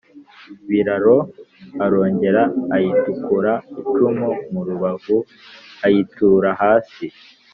Biraro arongera ayitikura icumu mu rubavu ayitura hasi,